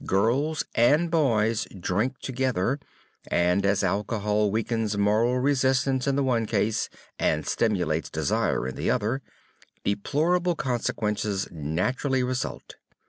Girls and boys drink together, and as alcohol weakens moral resistance in the one case, and stimulates desire in the other, deplorable consequences naturally result.